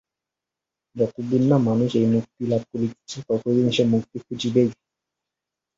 যতদিন না মানুষ এই মুক্তি লাভ করিতেছে, ততদিন সে মুক্তি খুঁজিবেই।